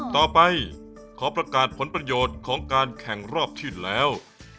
ต่อไปขอประกาศผลประโยชน์ของการแข่งรอบที่แล้ว